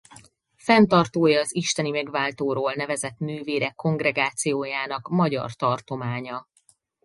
Fenntartója az Isteni Megváltóról Nevezett Nővérek Kongregációjának Magyar Tartománya.